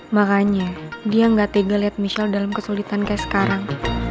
makanya dia gak tega liat michelle dalam kesulitan writer kayak sekarang